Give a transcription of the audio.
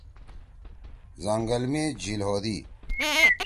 زنگل می جھیِل ہودی۔